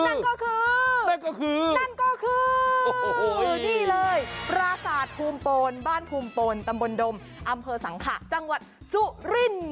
นี่เลยปราศาสตร์ภูมิโปรนบ้านภูมิโปรนตำบลดมอำเภอสังขะจังหวัดสุริน